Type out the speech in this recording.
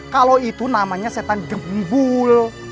kalau itu namanya setan jembul